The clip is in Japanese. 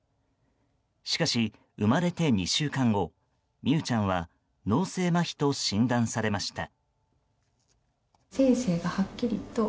しかし、生まれて２週間後美羽ちゃんは脳性まひと診断されました。